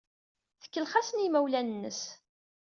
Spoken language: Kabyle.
Tkellex-asen i yimawlan-nnes.